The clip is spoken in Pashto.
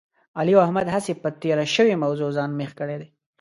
علي او احمد هسې په تېره شوې موضوع ځان مېخ کړی دی.